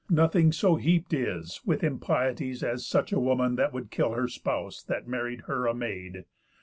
Nothing so heap'd is with impieties, As such a woman that would kill her spouse That married her a maid.